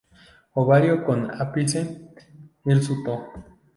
Ovario con ápice hirsuto.